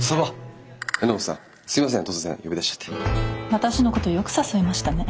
私のことよく誘えましたね。